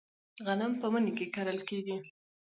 غنم په مني کې کرل کیږي.